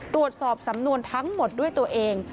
ตรวจสอบสำนวนทั้งหมดด้วยตัวเอง